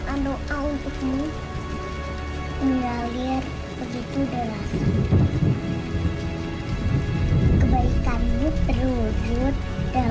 ah eril aku doa untukmu